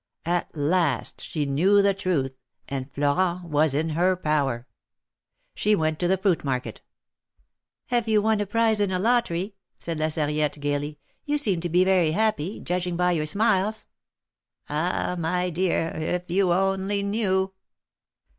At last she knew the truth, and Florent was in her power. She went to the fruit market. '^Have you won a prize in a lottery?'^ said La Sarri ette, gayly; '^you seem to be very happy, judging by your smiles.'^ ^^Ah ! my dear, if you only knew